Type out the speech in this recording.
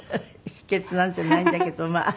秘訣なんてないんだけどまあ。